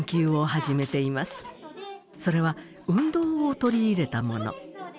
それは運動を取り入れたもの。